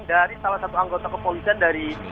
dari salah satu anggota kepolisian dari